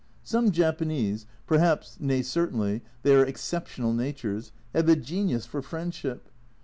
Some Japanese perhaps, nay certainly, they are exceptional natures have a genius for friendship.